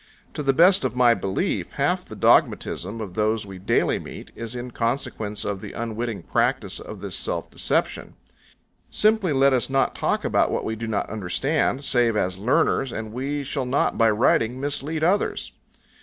To the best of my belief half the dogmatism of those we daily meet is in consequence of the unwitting practices of this self deception. Simply let us not talk about what we do not understand, save as learners, and we shall not by writing mislead others.